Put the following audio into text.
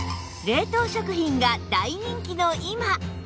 冷凍食品が大人気の今